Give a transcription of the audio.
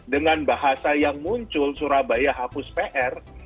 dengan bahasa yang muncul surabaya hapus pr